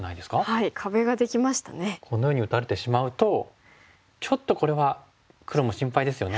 このように打たれてしまうとちょっとこれは黒も心配ですよね。